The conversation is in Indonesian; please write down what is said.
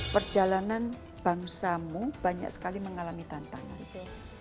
perjalanan bangsamu banyak sekali mengalami tantangan itu